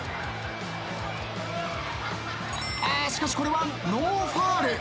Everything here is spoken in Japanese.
あしかしこれはノーファウル。